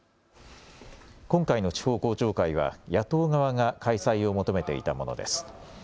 今回の地方公聴会は野党側が開催を求めていたものです。